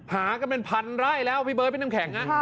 หากันเป็นพันไร่แล้วพี่เบิร์ดพี่น้ำแข็ง